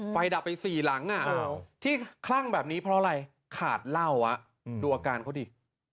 ดับไป๔หลังที่คลั่งแบบนี้เพราะอะไรขาดเหล้าดูอาการเขาดิ